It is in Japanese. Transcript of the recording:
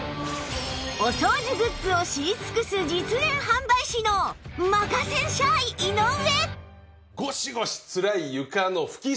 お掃除グッズを知り尽くす実演販売士のまかせんしゃい井上！